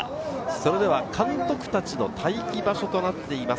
それでは監督たちの待機場所となっています